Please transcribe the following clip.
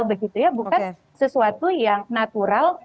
bukan sesuatu yang natural